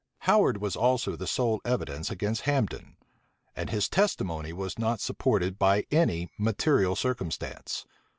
Howard was also the sole evidence against Hambden; and his testimony was not supported by any material circumstance.